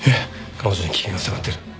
彼女に危険が迫ってる。